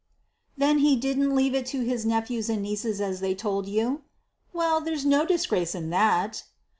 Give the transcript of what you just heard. "Then he didn't leave it to his nephews and nieces as they told you? Well, there's no disgrace in that."